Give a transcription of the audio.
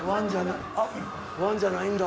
あっワンじゃないんだ。